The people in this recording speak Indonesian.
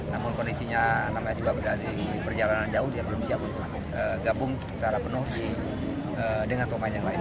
namun kondisinya namanya juga berada di perjalanan jauh dia belum siap untuk gabung secara penuh dengan pemain yang lain